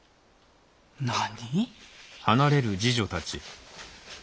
何？